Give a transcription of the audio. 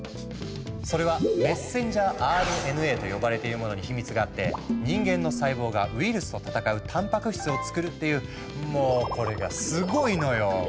それは「メッセンジャーＲＮＡ」と呼ばれているものにヒミツがあって人間の細胞がウイルスと戦うたんぱく質をつくるっていうもおこれがスゴいのよ！